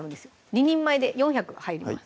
２人前で４００入ります